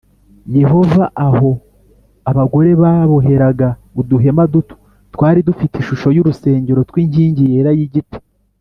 Yehova aho abagore baboheraga uduhema duto twari dufite ishusho y’urusengero rw’inkingi yera y’igiti